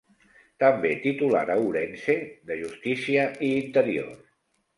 També titular a Ourense de Justícia i Interior.